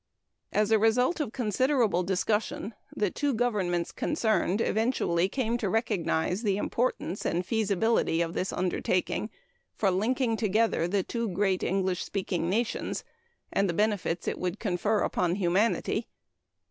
As a result of considerable discussion, the two governments concerned eventually came to recognize the importance and feasibility of this undertaking for linking together the two great English speaking nations, and the benefits it would confer upon humanity.